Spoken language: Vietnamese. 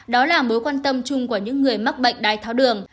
đó là mối quan tâm chung của những người mắc bệnh đai tháo đường